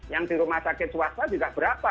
yang di rumah sakit swasta juga berapa